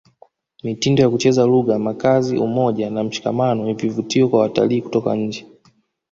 mitindo ya kucheza lugha makazi umoja na mshikamano ni vivutio kwa watalii kutoka nje